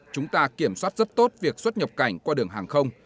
chúng ta kiểm soát rất tốt việc xuất nhập cảnh qua đường hàng không